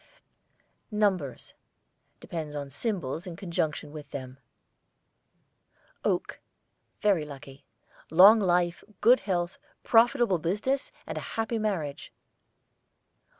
NUMBERS depends on symbols in conjunction with them. OAK, very lucky; long life, good health, profitable business, and a happy marriage.